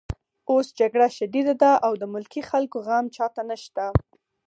اوس جګړه شدیده ده او د ملکي خلکو غم چاته نشته